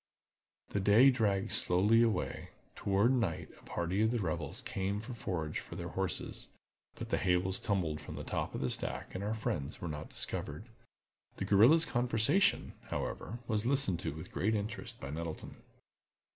The day dragged slowly away. Toward night a party of the rebels came for forage for their horses, but the hay was tumbled from the top of the stack, and our friends were not discovered. The guerrillas' conversation, however, was listened to with the greatest interest by Nettleton.